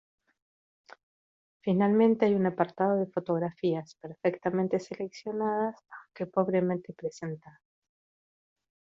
Finalmente, hay un apartado de fotografías perfectamente seleccionadas aunque pobremente presentadas.